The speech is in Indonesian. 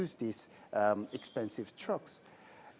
selain menggunakan truk truk yang mahal